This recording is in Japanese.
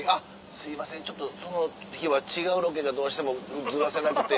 すいませんちょっとその日は違うロケがどうしてもずらせなくて」。